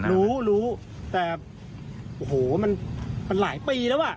รู้แต่โอ้โฮมันหลายปีแล้ว